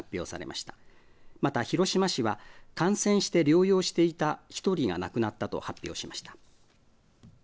また広島市は感染して療養していた１人が亡くなったと発表しました。